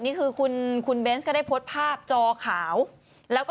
มีลูกเปิดเผยไหม